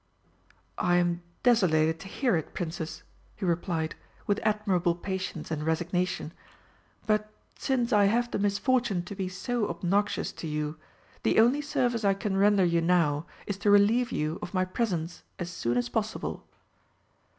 "I am desolated to hear it, Princess," he replied, with admirable patience and resignation. "But since I have the misfortune to be so obnoxious to you, the only service I can render you now is to relieve you of my presence as soon as possible."